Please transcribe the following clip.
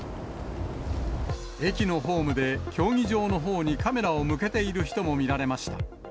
駅のホームで競技場のほうにカメラを向けている人も見られました。